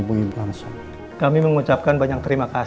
makdid vamos ada yang keturunan dengan authoritarianis